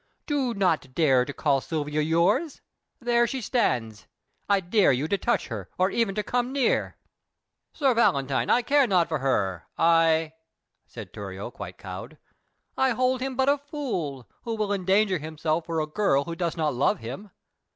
Do not dare to call Silvia yours! Here she stands: I dare you to touch her, or even to come near." "Sir Valentine, I care not for her I!" said Thurio, quite cowed. "I hold him but a fool who will endanger himself for a girl who does not love him.